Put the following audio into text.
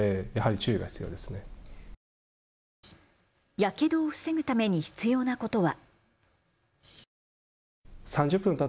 やけどを防ぐために必要なことは。